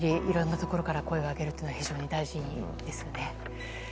いろんなところから声を上げるのが非常に大事ですよね。